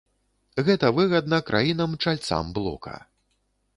Гэта выгадна краінам-чальцам блока.